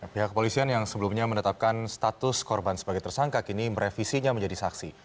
pihak kepolisian yang sebelumnya menetapkan status korban sebagai tersangka kini merevisinya menjadi saksi